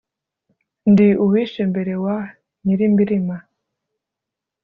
Ndi uwishe mbere wa Nyirimbirima;